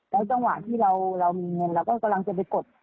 แล้วจังหวะที่เรามีเงินเราก็กำลังจะไปกด